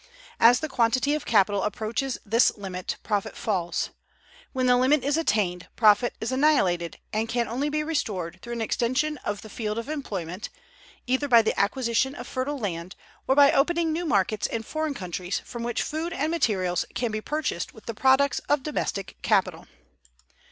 As the quantity of capital approaches this limit, profit falls; when the limit is attained, profit is annihilated, and can only be restored through an extension of the field of employment, either by the acquisition of fertile land, or by opening new markets in foreign countries, from which food and materials can be purchased with the products of domestic capital.